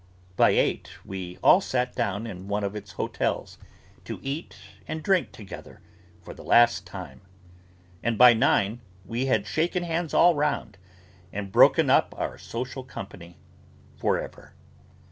By eight we all sat down in one of its Hotels, to eat and drink together for the last time. And by nine we had shaken hands all round, and broken up our social company for ever.